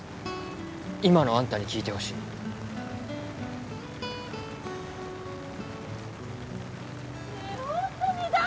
今のあんたに聴いてほしい・ねえ